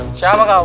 mak siapa kau